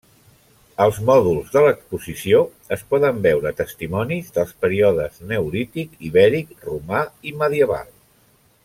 Als mòduls de l’exposició es poden veure testimonis dels períodes neolític, ibèric, romà i medieval.